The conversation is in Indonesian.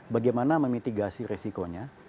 bagaimana memitigasi resikonya